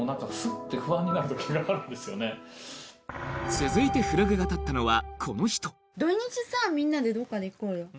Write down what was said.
続いてフラグが立ったのはこの人土日さみんなでどっか行こうよ。